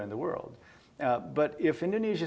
menjadi presiden indonesia